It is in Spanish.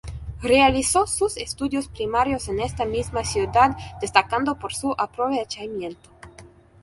Realizó sus estudios primarios en esta misma ciudad, destacando por su aprovechamiento.